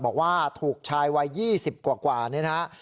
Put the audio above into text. บอกว่าถูกชายวัย๒๐กว่านี่นะฮะ